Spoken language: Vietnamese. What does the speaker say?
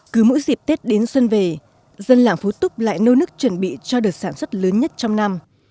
cứ mỗi dịp tết đến xuân về dân làng phú túc lại nô nức chuẩn bị cho đợt sản xuất lớn nhất trong năm